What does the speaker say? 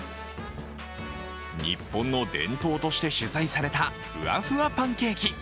日本の伝統として取材されたふわふわパンケーキ。